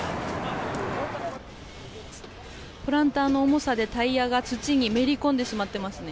プランターの重さでタイヤが土にめり込んでしまっていますね。